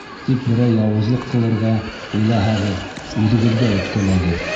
Тик берәй яуызлыҡ ҡылырға уйлаһағыҙ, үҙегеҙгә үпкәләгеҙ.